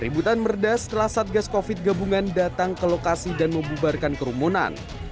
ributan merdas telah satgas covid gabungan datang ke lokasi dan membubarkan kerumunan